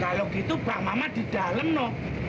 kalau gitu bang mamat didalam noh